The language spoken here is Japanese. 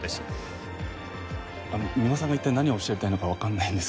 あの三馬さんが一体何をおっしゃりたいのかわからないんですけど。